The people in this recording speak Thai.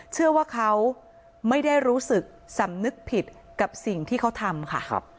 เชื่อว่าเขาไม่ได้รู้สึกสำนึกผิดกับสิ่งที่เขาทำค่ะ